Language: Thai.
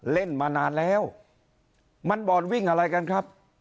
เล่นมานานแล้วมันบ่อนวิ่งอะไรกันครับ